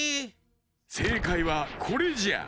せいかいはこれじゃ。